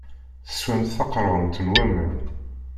Teswamt taqeṛɛunt n waman.